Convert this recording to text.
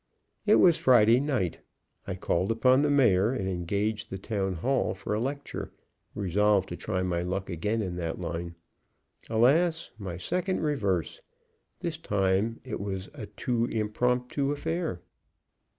It was Friday night. I called upon the Mayor, and engaged the Town Hall for a lecture, resolved to try my luck again in that line. Alas! my second reverse! This time it was a too impromptu affair.